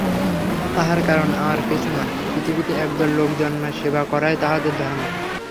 তাহার কারণ আর কিছু নয়, পৃথিবীতে একদল লোক জন্মায় সেবা করাই তাহাদের ধর্ম।